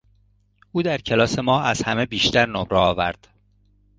او در کلاس ما از همه بیشتر نمره آورد.